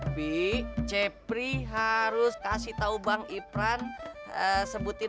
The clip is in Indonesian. berurun berurun berurun